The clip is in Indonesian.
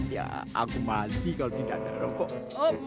ya aku mati kalau tidak ada rokok